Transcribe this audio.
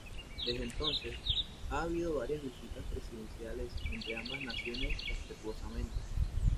Desde entonces, ha habido varias visitas presidenciales entre ambas naciones respetuosamente.